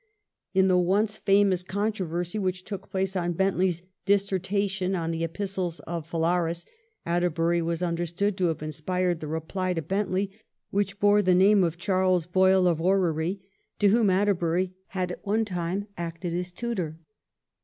In the once famous con troversy which took place on Bentley's ' Dissertations on the Epistles of Phalaris,' Atterbury was under stood to have inspired the reply to Bentley which bore the name of Charles Boyle of Orrery, to whom Atterbury had at one time acted as tutor.